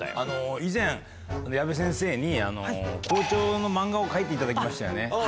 以前、矢部先生に、校長の漫画を描いていただきましたよね。